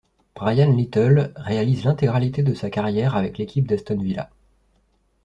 Brian Little réalise l'intégralité de sa carrière avec l'équipe d'Aston Villa.